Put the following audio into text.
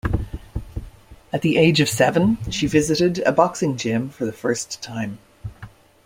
At the age of seven, she visited a boxing gym for the first time.